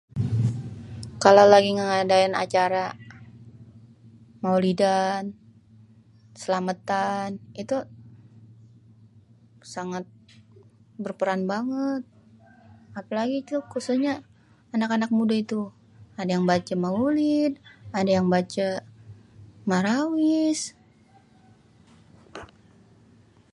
kalo lagi ngadain acara maulidan slametan itu sangat berperan banget apélagi itu khususnyé anak-anak mudé itu adé yang baca maulid adé yang bacé marawis